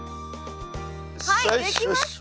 はい出来ました！